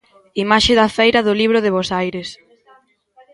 Imaxe da feira do libro de Bos Aires.